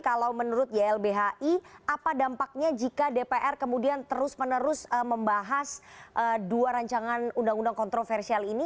kalau menurut ylbhi apa dampaknya jika dpr kemudian terus menerus membahas dua rancangan undang undang kontroversial ini